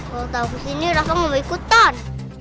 kalau takut sini rasanya mau ikutan